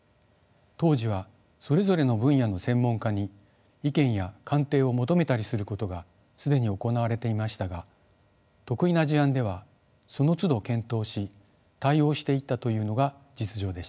当時はそれぞれの分野の専門家に意見や鑑定を求めたりすることが既に行われていましたが特異な事案ではそのつど検討し対応していったというのが実情でした。